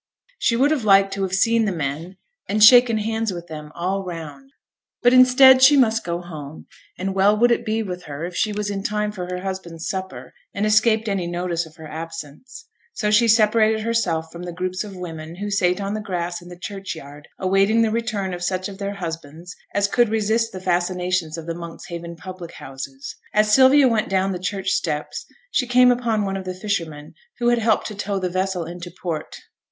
She would have liked to have seen the men, and shaken hands with them all round. But instead she must go home, and well would it be with her if she was in time for her husband's supper, and escaped any notice of her absence. So she separated herself from the groups of women who sate on the grass in the churchyard, awaiting the return of such of their husbands as could resist the fascinations of the Monkshaven public houses. As Sylvia went down the church steps, she came upon one of the fishermen who had helped to tow the vessel into port.